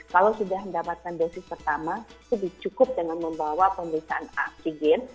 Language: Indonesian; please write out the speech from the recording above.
kalau sudah mendapatkan dosis pertama lebih cukup dengan membawa pemeriksaan antigen